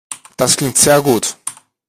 Das klingt sehr gut.